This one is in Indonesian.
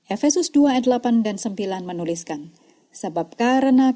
efesus dua ayat delapan dan sembilan menuliskan